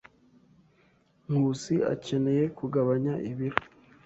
Nkusi akeneye kugabanya ibiro.